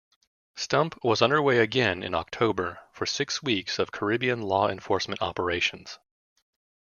"Stump" was underway again in October for six weeks of Caribbean law enforcement operations.